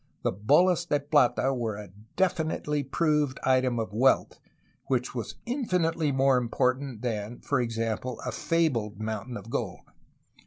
The holas de plata were a definitely proved item of wealth, which was infinitely more important than, for exam ple, a fabled mountain of gold.